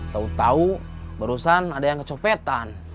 tahu tahu barusan ada yang kecopetan